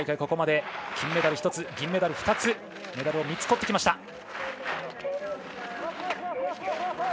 ここまで金メダル１つ、銀メダル２つメダルを３つとってきました。